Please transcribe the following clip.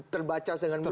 terbaca dengan mudah